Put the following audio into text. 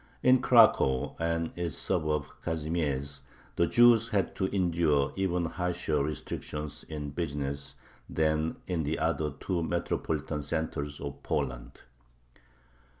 In Cracow and its suburb Kazimiezh the Jews had to endure even harsher restrictions in business than in the other two metropolitan centers of Poland.